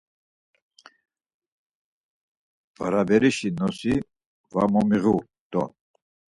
Baraberişi nosi va momiğu do…